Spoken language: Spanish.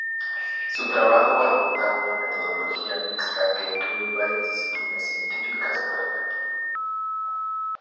Su trabajo adopta una metodología mixta que incluye varias disciplinas científicas, p. ej.